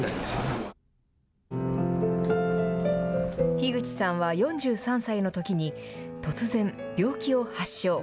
樋口さんは４３歳のときに突然病気を発症。